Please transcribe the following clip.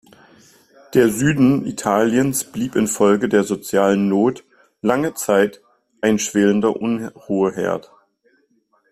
Der Süden Italiens blieb infolge der sozialen Not lange Zeit ein schwelender Unruheherd.